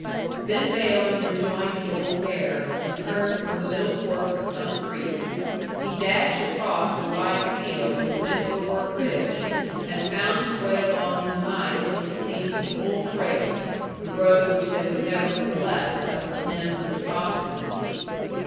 Then Balaam rejoined the old mare, and turned from the middle fork of Sunk Creek. He dashed across the wide field, and went over a ridge, and found his way along in the night till he came to the old trail the road which they would never have left but for him and his obstinacy.